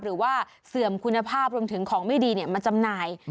เสื่อมคุณภาพรวมถึงของไม่ดีมาจำหน่าย